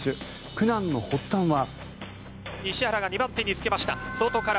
苦難の発端は。